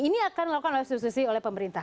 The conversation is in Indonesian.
ini akan dilakukan oleh substitusi oleh pemerintah